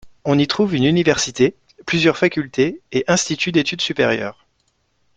On y trouve une université, plusieurs facultés et instituts d'études supérieures.